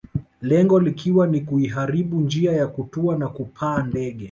Lengo likiwa ni kuiharibu njia ya kutua na kupaa ndege